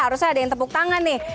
harusnya ada yang tepuk tangan nih